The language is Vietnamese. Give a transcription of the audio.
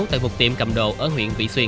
tại một tiệm cầm đồ ở huyện vị xuyên